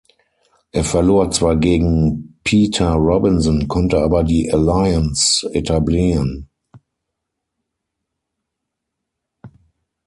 Er verlor zwar gegen Peter Robinson, konnte aber die Alliance etablieren.